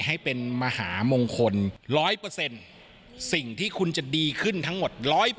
ให้เป็นมหามงคล๑๐๐สิ่งที่คุณจะดีขึ้นทั้งหมด๑๐๐